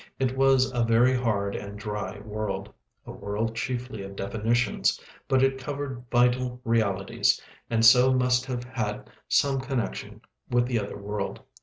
It was a very hard and dry world, a world chiefly of definitions, but it covered vital realities, and so must have had some connection with the other world.